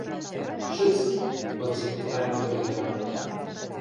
Шӹц! — отсекретарь тӧнгӹлӹм анжыкта.